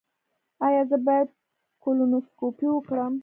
ایا زه باید کولونوسکوپي وکړم؟